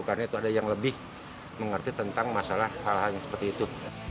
karena itu ada yang lebih mengerti tentang masalah hal hal yang seperti itu